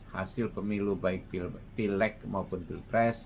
hasil pemilu baik pilek maupun pilpres